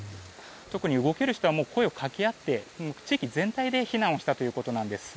特に、動ける人は声をかけ合って地域全体で避難をしたということなんです。